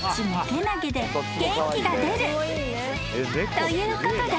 ［ということで］